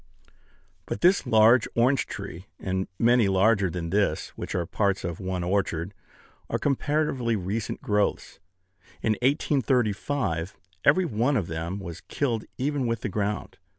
But this large orange tree, and many larger than this, which are parts of one orchard, are comparatively recent growths. In 1835, every one of them was killed even with the ground.